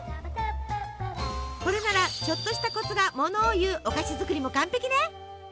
これならちょっとしたコツがものを言うお菓子作りも完璧ね！